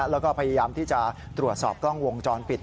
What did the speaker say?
แล้วก็พยายามที่จะตรวจสอบกล้องวงจรปิด